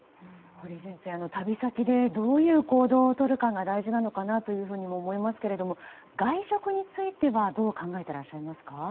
堀先生旅先でどういう行動をとるかが大事なのかなというふうにも思いますが外食についてはどう考えていらっしゃいますか。